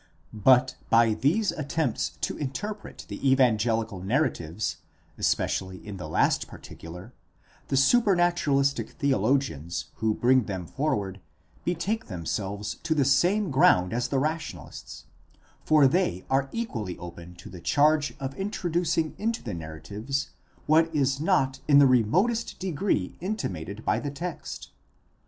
® But by these attempts to interpret the evangelical narratives, especially in the last particular, the supernaturalistic theologians, who bring them forward, betake themselves to the same ground as the rationalists, for they are equally open to the charge of introducing into the narratives what is not in the remotest degree intimated by the text.